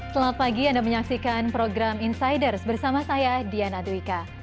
selamat pagi anda menyaksikan program insiders bersama saya diana dwika